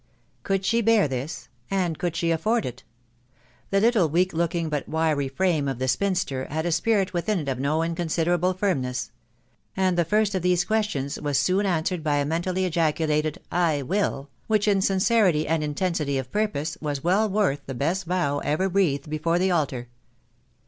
Could she bear this ?.... and could she afford it? The little, weak looking, but wiry frame of the spinster, had a spirit within it of no inconsiderable firmness ; and the first of these questions was scon answered by a mentally ejaculated t€ I will," which, in sincerity and intensity of purpose, was well worth the best vow ever breathed before the altar.